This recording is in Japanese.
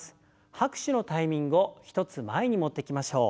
拍手のタイミングを１つ前に持ってきましょう。